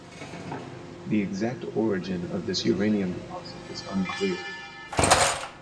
The exact origin of this uranium deposit is unclear.